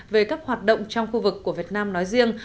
về các hoạt động trong khu vực của việt nam nói riêng